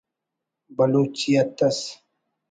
بلوچیت ئس